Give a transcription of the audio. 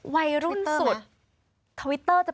วัยรุ่นสุดถุวิตเตอร์ไหม